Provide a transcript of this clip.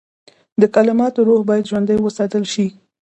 د کلماتو روح باید ژوندی وساتل شي.